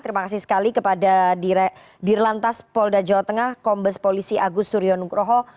terima kasih sekali kepada dirlantas polda jawa tengah kombes polisi agus suryo nugroho